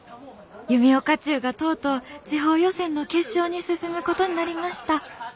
弓丘中がとうとう地方予選の決勝に進むことになりました。